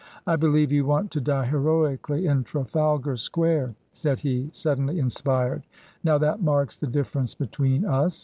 "I believe you want to die heroically in Trafalgar Square !" said he, suddenly inspired. " Now, that marks the difference between us.